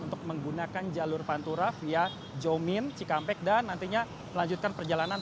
untuk menggunakan jalur pantura via jomin cikampek dan nantinya melanjutkan perjalanan